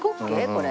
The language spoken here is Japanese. これ。